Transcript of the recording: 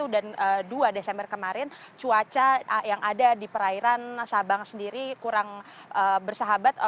dan dua desember kemarin cuaca yang ada di perairan sabang sendiri kurang bersahabat